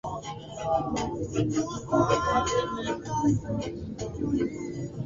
hadithi hiyo inafanana na hadithi ya msimamizi wa meli